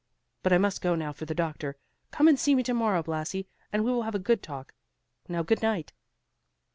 But I must go now for the doctor. Come and see me to morrow, Blasi; and we will have a good talk. Now good night."